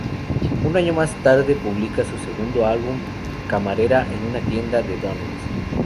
Un año más tarde publica su segundo álbum, "Camarera en una Tienda de Donut.